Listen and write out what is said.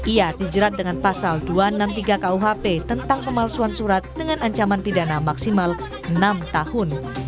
ia dijerat dengan pasal dua ratus enam puluh tiga kuhp tentang pemalsuan surat dengan ancaman pidana maksimal enam tahun